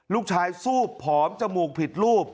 ลูกชายซูบผอมจมูกผิดรูป